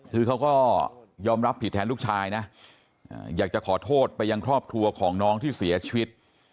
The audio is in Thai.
คือเขาก็ยอมรับผิดแทนลูกชายนะอยากจะขอโทษไปยังครอบครัวของน้องที่เสียชีวิต